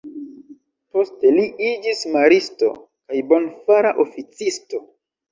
Poste, li iĝis Maristo kaj Bonfara Oficisto.